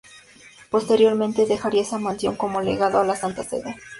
Posteriormente, dejaría esa mansión como legado a la Santa Sede.